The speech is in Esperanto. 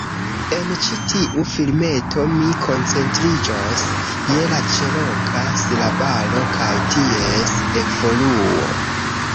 En ĉi tiu filmeto, mi koncentriĝos je la Ĉeroka silabaro kaj ties evoluo